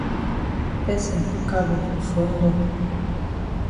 Person put cargo for front door.